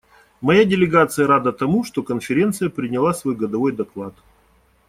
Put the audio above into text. Моя делегация рада тому, что Конференция приняла свой годовой доклад.